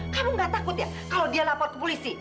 kamu gak takut ya kalau dia lapor ke polisi